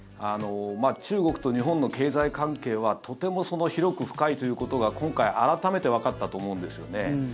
中国と日本の経済関係はとても広く深いということが今回、改めてわかったと思うんですよね。